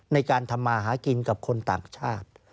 ในการทำมาหากินกับคนต่างชาติ